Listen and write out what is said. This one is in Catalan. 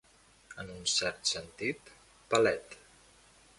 En un cert sentit, pelet.